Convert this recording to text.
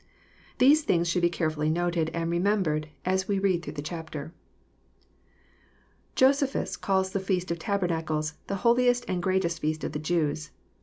These things should be carefully noted, and remembered, as we read through the chapter. Josephus calls the feast of tabernacles n« the holiest and greatest feast of the Jews."